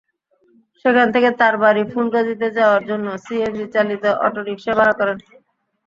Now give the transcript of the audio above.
সেখান থেকে তাঁর বাড়ি ফুলগাজীতে যাওয়ার জন্য সিএনজিচালিত অটোরিকশা ভাড়া করেন।